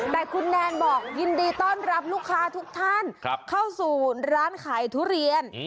แต่คุณแนนบอกยินดีต้อนรับลูกค้าทุกท่านเข้าสู่ร้านขายทุเรียน